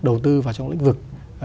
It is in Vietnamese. đầu tư vào trong lĩnh vực